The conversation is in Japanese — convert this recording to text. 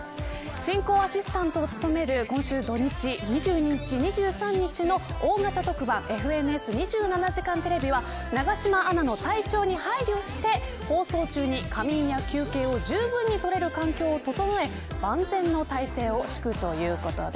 進行アシスタントを務める今週土日２２日、２３日の大型特番ＦＮＳ２７時間テレビは永島アナの体調に配慮して放送中に仮眠や休憩をじゅうぶんに取れる環境を整え万全の態勢を敷くということです。